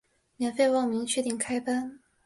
免费报名，确定开班